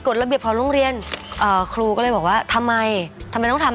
ระเบียบของโรงเรียนเอ่อครูก็เลยบอกว่าทำไมทำไมต้องทำ